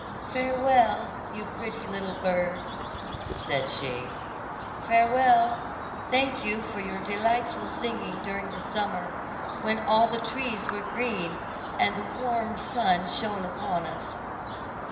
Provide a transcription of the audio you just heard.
"Farewell, you pretty little bird," said she, "farewell; thank you for your delightful singing during the summer, when all the trees were green, and the warm sun shone upon us."